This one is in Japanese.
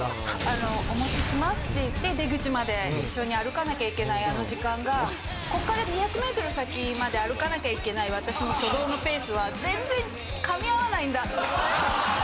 あのお持ちしますって言って出口まで一緒に歩かなきゃいけないあの時間がこっから２００メートル先まで歩かなきゃいけない私の初動のペースは全然かみ合わないんだ。